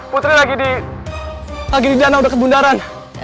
putri lagi di dana udah ke bundaran